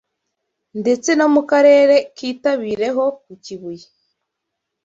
Ndetse no mu Karere k’Itabire ho ku Kibuye